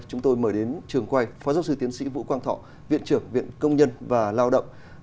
chúng tôi mời đến trường quay phó giáo sư tiến sĩ vũ quang thọ viện trưởng viện công nhân và lao động